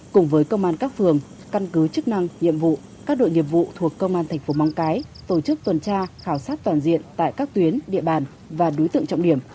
cùng với công an các phường căn cứ chức năng nhiệm vụ các đội nghiệp vụ thuộc công an thành phố móng cái tổ chức tuần tra khảo sát toàn diện tại các tuyến địa bàn và đối tượng trọng điểm